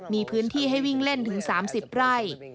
มีพื้นที่ให้วิ่งเล่นถึง๓๐ไร่